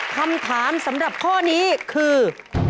คำถามสำหรับข้อนี้คือ